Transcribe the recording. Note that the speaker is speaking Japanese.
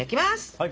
はい。